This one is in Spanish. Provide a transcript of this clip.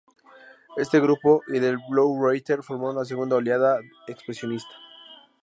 Este grupo y "Der Blaue Reiter" formaron la segunda oleada expresionista.